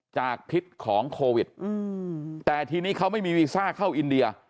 พิษของโควิดแต่ทีนี้เขาไม่มีวีซ่าเข้าอินเดีย